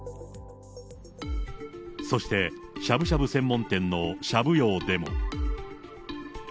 そして、しゃぶしゃぶ専門店のしゃぶ葉でも。